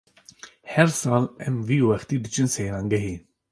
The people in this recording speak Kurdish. Her sal em vî wextî diçin seyrangehê.